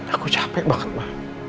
aku capek banget ma